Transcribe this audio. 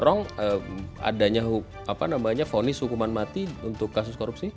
mendorong adanya apa namanya vonis hukuman mati untuk kasus korupsi